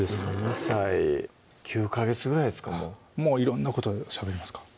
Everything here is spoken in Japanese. ２歳９ヵ月ぐらいですかもうもう色んなことしゃべりますか？